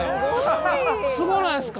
すごない？